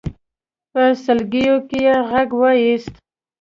په سلګيو کې يې غږ واېست.